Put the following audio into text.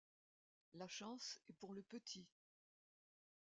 La chance est pour le petit.